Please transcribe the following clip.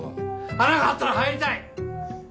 穴があったら入りたい！